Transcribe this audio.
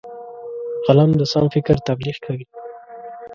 قلم د سم فکر تبلیغ کوي